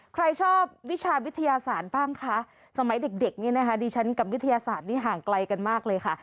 ใครชอบวิชาวิทยาศาสตร์บ้างคะสมัยเด็กนี่นะคะดิฉันกับวิทยาศาสตร์นี่ห่างไกลกันมากเลยค่ะ